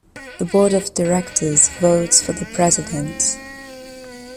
The board of directors votes for the president.